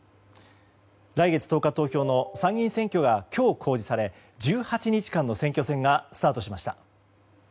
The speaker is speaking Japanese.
来月１０日投票の参議院選挙が今日、公示され１８日間の選挙戦がスタートしました。